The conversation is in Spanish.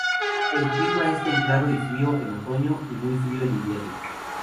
El clima es templado y frío en el otoño y muy frío en invierno.